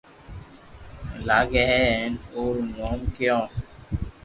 لاگي ھي ھين او رو نوم ڪيو